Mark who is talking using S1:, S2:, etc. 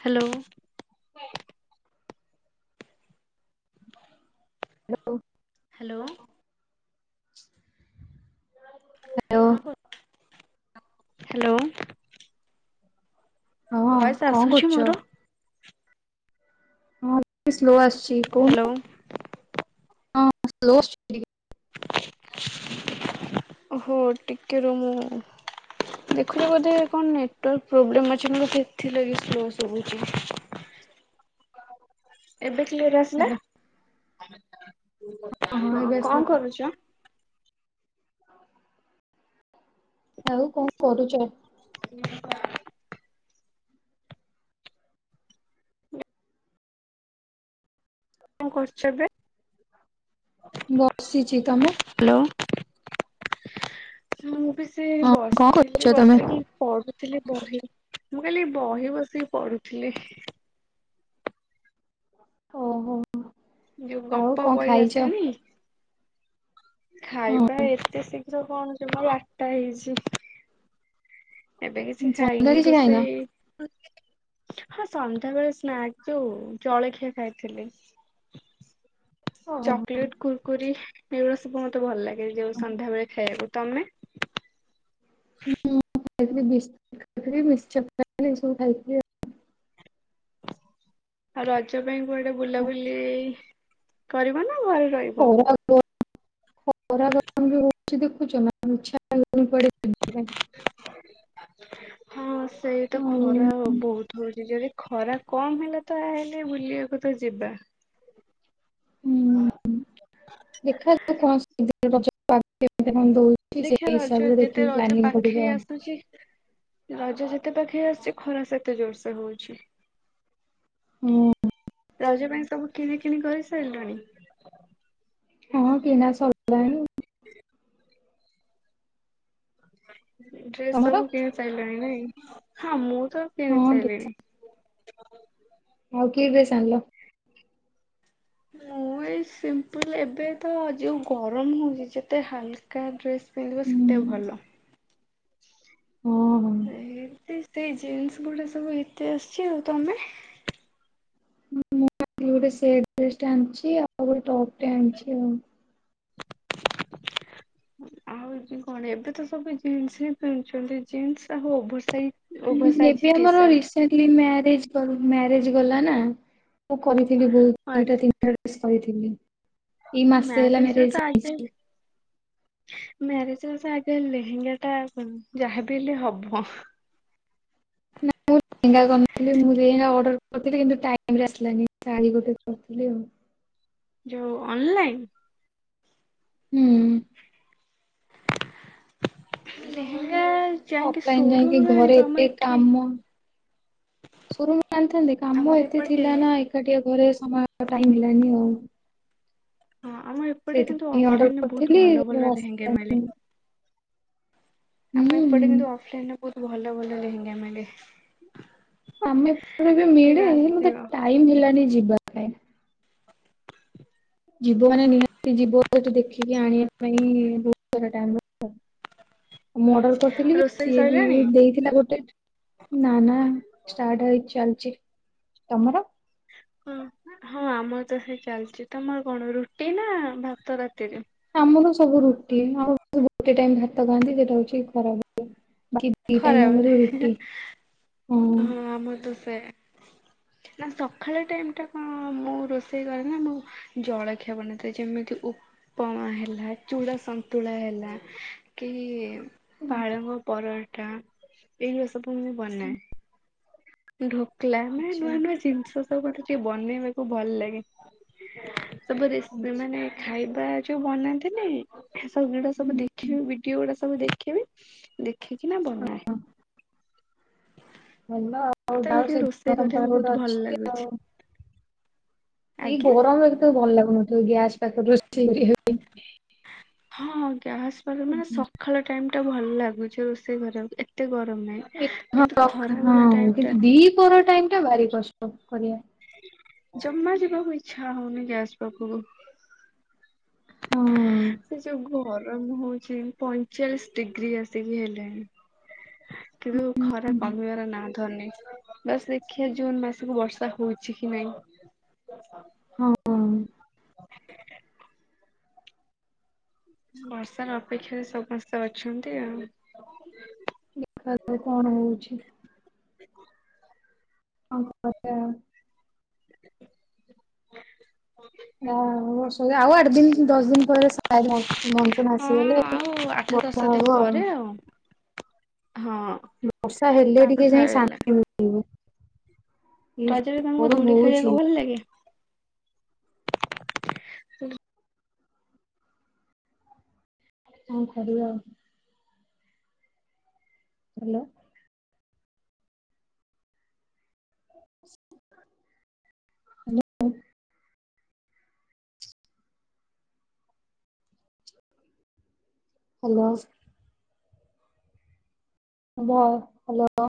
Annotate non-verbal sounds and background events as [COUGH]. S1: Hello.
S2: Hello.
S1: Hello. [UNINTELLIGIBLE] Hello.
S2: Hello ହଁ
S1: ଭୟସ
S2: କଣ
S1: ଆସୁଛି
S2: କରୁଛ?
S1: ମୋର।
S2: ମାନେ ସ୍ଲୋ ଆସୁଛି।
S1: ହ୍ୟାଲୋ।
S2: [UNINTELLIGIBLE] [UNINTELLIGIBLE]
S1: ହୋ ଟିକେ ରୁ ମୁଁ ଦେଖିଲୁ ବୋଧେ କଣ ନେଟୱାର୍କ ପ୍ରୋବ୍ଲେ ଅଛି ମୋର କେଥିଲାଗି ସ୍ଲୋ ସବୁଛି। ଏବେ କ୍ଲିର ଆସିଲା?
S2: ହ୍ୟାଲୋ
S1: [UNINTELLIGIBLE] ହଁ
S2: ଏବେ ଆସିଲା
S1: କଣ
S2: କୁହ।
S1: କରୁଛ?
S2: ଆଉ କଣ କରୁଛ?
S1: [UNINTELLIGIBLE] କଣ କରୁଛ ଏବେ?
S2: ବସିସିଛି ତମେ?
S1: [INAUDIBLE] ହୁଁ। ବି ସେ
S2: ହଁ କଣ କରୁଛ
S1: ବସିଥିଲି
S2: ତମେ?
S1: ବସିକି ପଢୁଥିଲି ବହି। ମୁଁ ଖାଲି ବହି ବସିକି ପଢୁଥିଲି।
S2: ଓହୋ।
S1: ଯୋଉ
S2: ଆଉ
S1: ଗପ
S2: କଣ
S1: ବହି
S2: ଖାଇଛ?
S1: ଆସେନି?
S2: ହଁ
S1: ଖାଇବା ଏତେ ଶୀଘ୍ର କଣ ଜମା ବାରଟା ହେଇଛି। ଏବେ କିଛି
S2: ସନ୍ଧ୍ୟାରେ
S1: ଖାଇନି
S2: କିଛି ଖାଇନ?
S1: ରୋଷେଇ ହଁ ସନ୍ଧ୍ୟାବେେଳେ ସ୍ନାକ୍ ଯୋଉ ଜଳଖିଆ ଖାଇଥିଲି।
S2: ଓହୋ ମୁଁ
S1: ଚକଲେଟ କୁରକୁୁରୀ। ଏଇୁା ସବୁ ମତେ ଭଲ ଲେ ଯୋଉ ସନ୍ାବେଳେ ଖାଇବାକୁ ତମେ
S2: ହୁଁ ଖାଇସ୍ ଖାଇ ମିସଚର [INAUDIBLE] ସବୁ ଖାଇଥିଲ।
S1: ଆଉ ରଜ। ପାଇଁ କୁଆଡେ
S2: ଆଉ।
S1: ବୁଲାବୁଲିଇ। କରିବ ନା। ଘରେ ରହିବ।
S2: ଖରା ଗରମ ଖରା ଗ କେମିତ୍ ହୋଇଛି। ସେ ଦେଖୁଚନ ଇଚ୍ଛା ହେଲେ କୁଆଡେ ଯାଏ।
S1: ହଁ। ସେଇ ତ ଖରା ବହୁତ ହଉଛି ଯରେ। ଖରା କମ ହେଲା ତ ହେଲେ ବୁଲିବାକୁ ତ ଯିବା।
S2: ହୁଁ ଦେଖାଯାଉ କଣ। [INAUDIBLE] ଦଉଛି ସେଇ
S1: ଦେଖିଆ ରଜ
S2: ହିସାବରେ
S1: ଯେତେ
S2: ଦେଖିକି
S1: ରଜ
S2: ପ୍ଲାନିଂ କରିବା
S1: ପାଖେଇ
S2: ଆଉ।
S1: ଆସୁଛି ରଜ ଯେତ। ଏତେ ପାଖେଇ ଆସିଛି ଖରା ସେ ଏତେ ଜୋରସେ ହଉଛି।
S2: ହଁ।
S1: ରଜ ପାଇଁ ସବୁ କିଣି କିଣିି କରି ସାରିଲୁଣି।
S2: ହଁ କିନା ସରିଲାନି।
S1: ଡ୍ରେସ୍ ସବୁ କିଣି ସାରିଲାଣି ନାଇଁ। ହଁ ମୁଁ ତ କିଣି
S2: ହଁ ଡ୍ରେସ୍
S1: ସାରିଲିନି। ହ।
S2: ଆଉ କିର୍ବେସଲ ଆଣିଲା।
S1: ମୁଁ ଏ ସିମ୍ପଲ ଏବେ ତ ଯଉ ଗରମ ହଉଛି ଯେତେ ହାଲକା ଡ୍ରେସ୍। ପିନ୍ଧିବା
S2: ହୁଁ
S1: ସେଟା ଭଲ।
S2: ହଁ ହଁ।
S1: ଏଇତି। ସେଇ ଜିନ୍ସ ଗୁଡା ସବୁ ଏତେ ଆସିଛି ଆଉ ତମେ।
S2: ମୁଁ ଗୋଟେ ସେଟ୍ ଡ୍ରେସ ଆଣିଛି ଆଉ ଗୋଟେ ଟପ୍ ଆଣିଛି ଆଉ।
S1: ଆଉ କଣ ଏବେ ତ ସବୁ ଜିନ୍ସ ହିଁ ପିନ୍ଧୁଛନ୍ତି ଜିନ୍ସ ଆଉ ଓଭର ସାଇଜ।
S2: ହୁ
S1: ଓଭର ସାଇଜ
S2: ଏବେ
S1: ଟି
S2: ଆମର
S1: ସାର୍ଟ।
S2: ରିସେଣ୍ଟଲି ମ୍ୟାରେଜ କରୁ ମ୍ୟାରେଜ। ଆଜି ଗଲା ନା। ମୁଁ କରିଥିଲି ବହୁତ ଦିଟା
S1: ଆଚ୍ଛା
S2: ତିନିଟା ଡ୍ରେସ୍ କରିଥିଲି। ଏଇ ମାସେ ହେଲା
S1: ମ୍ୟାରେଜରେ
S2: ମ୍ୟାରେଜ
S1: ତ ଆଗେ
S2: ହେଇଛି।
S1: ମ୍ୟାରେଜରେ ତ ଆଗେ ଲେହେଙ୍ଗା ଟା ଯାହାବି ହେଲେ ହବ।
S2: ମୁଁ [UNINTELLIGIBLE] ଥିଲ ମୁଁଡର। କରିଥିଲୁ କିନ୍ତୁ ଟାଇମ ରେ ଆସିଲାନି ଶାଢ଼ୀ ଗୋଟେ କରିଥିଲି ଆଉ।
S1: ଯୋଉ ଅନ୍ ଲାଇନ
S2: ହୁଁ।
S1: ହେ
S2: ଅଫଲାଇନ ନାଇଁ କି ଘରେ
S1: ଆମ
S2: ଏତେ
S1: ଏଠି
S2: କାମ ସ ଜଣିଥାନ୍ତି କାମ
S1: ଆମର
S2: ଏତେ ଥିଲା
S1: ଏପଟେ
S2: ନା ଏକାଠିଆ ଘରେ ସମୟ ଟାଇମ ହେଲାନି ଆଉ
S1: ହଁ ଆମ ଏପଟେ କିନ୍ତୁ
S2: ସେଇଥିପାଇଁ ଅର୍ଡର
S1: ଅଫଲାଇନରେ ବହୁତ
S2: କରିଥିଲି
S1: ଭଲ ଭଲ
S2: ହୁଁ
S1: ଲେହେଙ୍ଗା ମିଳେ। ଆମ ଏପଟେ କିନ୍ତୁ ଅଫ ଲାଇନ ଟା ବହୁତ୍ ଭ ଭଲ ଭଲ ଲେହେଙ୍ଗା ମିଳେ।
S2: ଆମେ ଏପଟେ ବି
S1: କେବେ
S2: ମିଳେ
S1: ଆସିବ।
S2: ମତେ ଟାଇମ ହେଲାନି ଯିବା ବ ଯିବ ମାନେ ନିହାତି ଯିବ ସେଠି ଦେଖିକି ଆଣିବା ପାଇଁ ବହୁତ ସାରା ଟାଇମ୍ ଦରକାର। ମୁଁ ଅର୍ଡର କରିଥିଲି ବି
S1: ରୋଷେଇ
S2: ସିଏ ବି
S1: ସଇଲାଣି?
S2: ଦେଇଥିଲା ଗୋଟେ ନା ନା ଷ୍ଟାର୍ଟ ହେଇ ଚାଲିଛି। ତମର?
S1: ହଁ ହଁ ଆମର ତ ସେ ଚାଲିଛି ତମର କଣ ରୁଟି ନା ଭାତ ରାତିରେ।
S2: ଆମର ସବୁ ରୁଟି ଆମ ଗୋଟେ ଟାଇମ ଭାତ ଖାଆନ୍ତି ସେଇଟା ହଉଛି ଖରା ବେଳେ। ଟାଇମ
S1: ଖରାବେଳେ
S2: ଆମର ରୁଟି ହଁ।
S1: ଆମର ତ ନା ସକାଳେ ଟାଇମ ଟା କଣ ମୁଁ ରୋଷେଇ କରେ ନା ମୁଁ ଜଳଖିଆ ବନେଇଥାଏ ଯେମିତି ଉପମା ହେଲା ଚୂଡ଼ା ସନ୍ତୁଳା ହେଲା କି ପାଳଙ୍ଗ ପରଣ ଟା ଏଇ ସବୁ ମୁଁ ବନାୟେ। ଧୂପ୍ ପିଲାନେ
S2: ଆଚ୍ଛା।
S1: ନୂଆ ନୂଆ ଜିନିଷ ସ ଗୋଟେ ଟିକେ ବନେଇବାକୁ ଭଲ ଲାଗେ। ସବୁ ଜିନ୍
S2: ଆଚ୍ଛା
S1: ମାନେ ଖାଇ ପ୍ରାୟ ଯୋଉ ବନାନ୍ତିନି। ଏ ସବୁ ଭିଡିଓ ସବୁ
S2: ହୁଁ
S1: ଦେଖି ଭିଡିଓ ଗୁଡା ସବୁ ଦେଖିବି ଦେଖିକି ନା ବନାଏ।
S2: ଭଲ। ହଉ
S1: ମତେ
S2: ଯାଉ
S1: ଟିକେ
S2: ସେଦିନ
S1: ରୋଷେଇ
S2: ତମ ପାଖରେ
S1: କରିବାକୁ ବହୁତ
S2: ଗୋଟେ
S1: ଭଲ
S2: ଅଛି ଆଉ
S1: ଲାଗୁଛି।
S2: ଏଇ
S1: ଆଜ୍ଞା।
S2: ଗରମ ଏ ତ ଭଲ ଲାଗୁନି। ତ ଗ୍ୟାସ ତାକୁ ରୋଷେଇ କରିବାକୁ [UNINTELLIGIBLE]
S1: ହଁ ଗାସ ପା ମାନେ ସକାଳ ଟାଇମ ଟା ଭଲ ଲାଗୁଚି ରୋଷେଇ କରିବାକୁ ଏତେ ଗ
S2: [UNINTELLIGIBLE]
S1: ଟା
S2: ଦି ଥର ଟାଇମ ଟା ଭାରି କଷ୍ଟ କରିବା।
S1: ଜମା ଯିବାକୁ ଇଚ୍ଛା ହଉନି ଗ୍ୟାସ ପାଖକୁ।
S2: ହଁ
S1: ସେ ଯଉ ଗର ମୁ ହଉଚି, ପଇଁଚାଳିଶ ଡିଗ୍ରୀ ଆସିକି ହେଲେଣି। କିନ୍ତୁ ଖରା କମିବାର ନା ଧନୀ। ବାସ ଦେଖିବା ଜୁନ ମାସକୁ ବର୍ଷା ହଉଚି କି ନାଇଁ?
S2: ହଁ
S1: [UNINTELLIGIBLE] ବର୍ଷାର ଅପେକ୍ଷାରେ ସମସ୍ତେ ଅଛନ୍ତି ଆଉ।
S2: ଦେଖ କଣ ହଉଚି। ଆ କ
S1: [INAUDIBLE]
S2: ବଷ ସେୟା ଆଉ ଆଠ ଦିନ ଦଶ ଦିନ ପରେ [UNINTELLIGIBLE] ମନସୁନ୍
S1: ହଁ
S2: ଆସିଗଲେ
S1: ଆଉ ଆଠ
S2: ବର୍ଷା
S1: ଦଶ ଦିନ
S2: ହବ।
S1: ପରେ ଆଉ ହଁ
S2: ବର୍ଷା ହେଲେ
S1: ତାପରେ
S2: ଟିକେ ଯାଇ
S1: ସଇଲା।
S2: ଶାନ୍ତି ମିଳିବ। ଏଇ
S1: ରଜରେ
S2: ଯୋଉ
S1: ତମଙ୍କୁ
S2: ଗରମ
S1: ଦୋଳି
S2: ହଉଛି
S1: ଖେଳିବାକୁ ଭଲ ଲାଗେ?
S2: କଣ କରିବା ଆଉ? Hello. Hello. Hello. Hello hello.